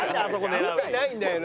見てないんだよな。